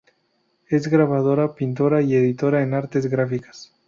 Es grabadora, pintora y editora en artes gráficas.